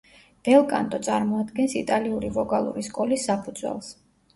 ბელკანტო წარმოადგენს იტალიური ვოკალური სკოლის საფუძველს.